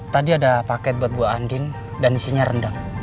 tadi ada paket buat buah andin dan isinya rendang